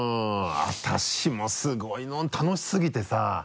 私もすごい楽しすぎてさ。